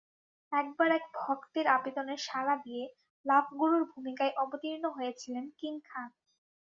একবার এক ভক্তের আবেদনে সাড়া দিয়ে লাভগুরুর ভূমিকায় অবতীর্ণ হয়েছিলেন কিং খান।